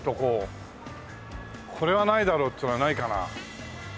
これはないだろうっていうのはないかな？